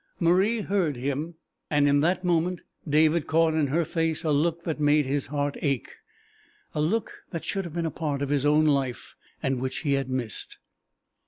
Marie heard him, and in that moment David caught in her face a look that made his heart ache a look that should have been a part of his own life, and which he had missed.